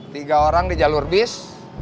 tiga orang di jalur bis